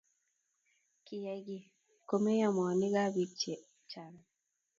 kiyai kii komeyo moonikab biik che chang'